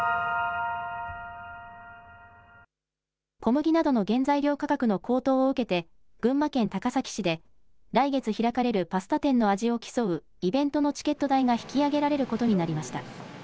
小麦などの原材料価格の高騰を受けて群馬県高崎市で来月開かれるパスタ店の味を競うイベントのチケット代が引き上げられることになりました。